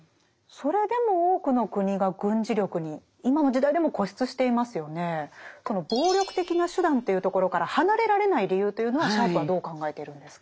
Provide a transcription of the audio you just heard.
その暴力的な手段というところから離れられない理由というのはシャープはどう考えているんですか？